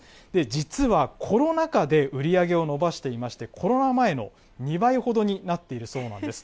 実はコロナ禍で売り上げを伸ばしていまして、コロナ前の２倍ほどになっているそうなんです。